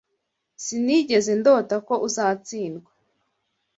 Sinigeze ndota ko uzatsindwa.